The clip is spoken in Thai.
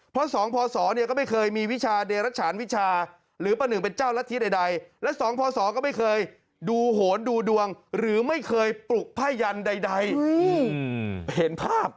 เพราะสองพศเนี่ยก็ไม่เคยมีวิชาเดรัชฉานวิชาหรือประหนึ่งเป็นเจ้ารัฐธิใดและสองพศก็ไม่เคยดูโหนดูดวงหรือไม่เคยปลุกพ่ายันใดเห็นภาพ